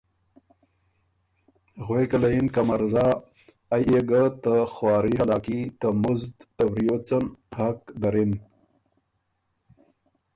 غوېکه له یِن که مرزا! ائ يې ګه ته خواري هلاکي ته مُزد ته وریوڅن حق دَرِن۔